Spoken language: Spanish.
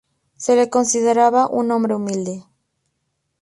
Se le consideraba un hombre humilde.